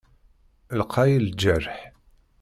Lqay lǧerḥ.